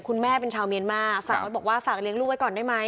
แม่เป็นชาวเมียนมาฝากไว้บอกว่าฝากเลี้ยงลูกไว้ก่อนได้ไหม